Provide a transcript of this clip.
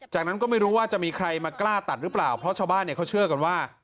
จากนั้นก็ไม่รู้ว่าจะมีใครมากล้าตัดหรือเปล่าเพราะชาวบ้านเนี่ยเขาเชื่อกันว่า